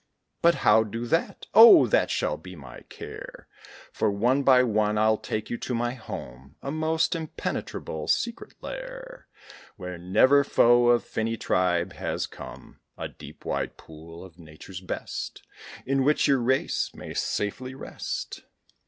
"But how do that?" "Oh! that shall be my care; For one by one I'll take you to my home, A most impenetrable, secret lair, Where never foe of finny tribe has come; A deep, wide pool, of nature's best, In which your race may safely rest."